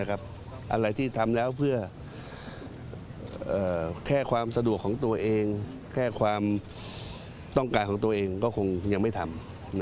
อะไรที่ทำแล้วเพื่อความสะดวกของตัวเองแค่ความต้องการของตัวเองก็คงยังไม่ทำ